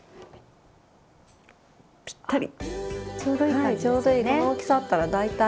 ぴったり。